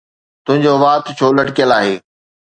تنهنجو وات ڇو لٽڪيل آهي؟